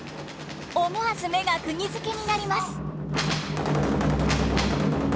思わず目がくぎづけになります。